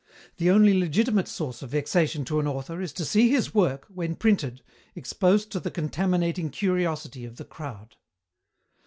The only legitimate source of vexation to an author is to see his work, when printed, exposed to the contaminating curiosity of the crowd."